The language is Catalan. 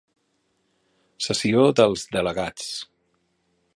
Sessió dels delegats.